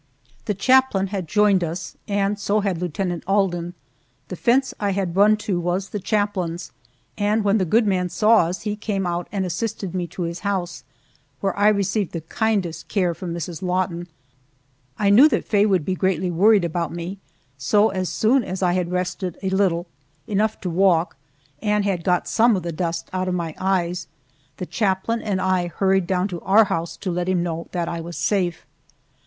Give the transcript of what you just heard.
The chaplain had joined us, and so had Lieutenant Alden. The fence I had run to was the chaplain's, and when the good man saw us he came out and assisted me to his house, where I received the kindest care from Mrs. Lawton. I knew that Faye would be greatly worried about me, so as soon as I had rested a little enough to walk and had got some of the dust out of my eyes, the chaplain and I hurried down to our house to let him know that I was safe.